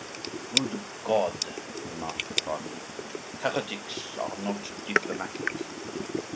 "Good God!" remarked the cardinal, "heretics are not diplomatic!"